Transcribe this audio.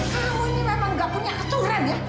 kalau ini memang gak punya aturan ya